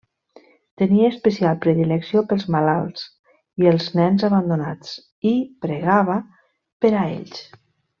Tenia especial predilecció pels malalts i els nens abandonats, i pregava per a ells.